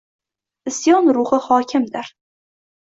Isyon ruhi hokimdir.